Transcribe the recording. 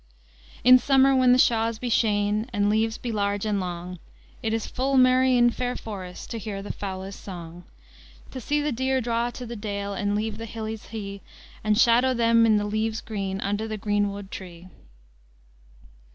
"In somer, when the shawes be sheyne, And leves be large and longe, Hit is full merry in feyre forést To here the foulys song. "To se the dere draw to the dale, And leve the hilles hee, And shadow them in the leves grene, Under the grene wode tree."